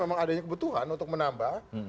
memang adanya kebutuhan untuk menambah